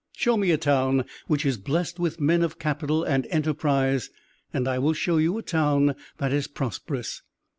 Show me a town which is blessed with men of capital and enterprise, and I will show you a town that is prosperous.